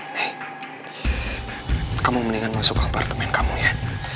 nih kamu mendingan masuk ke apartemen kamu ya